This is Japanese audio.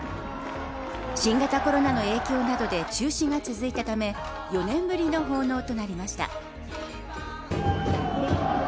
新型コロナの影響などで中止が続いたため４年ぶりの奉納となりました。